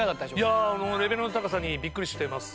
いやあレベルの高さにビックリしてます。